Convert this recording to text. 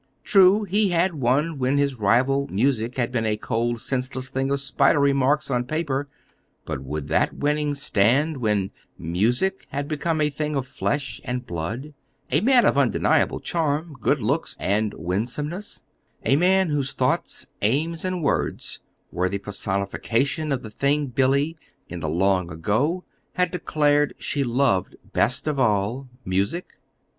True, he had won when his rival, music, had been a "cold, senseless thing of spidery marks" on paper; but would that winning stand when "music" had become a thing of flesh and blood a man of undeniable charm, good looks, and winsomeness; a man whose thoughts, aims, and words were the personification of the thing Billy, in the long ago, had declared she loved best of all music?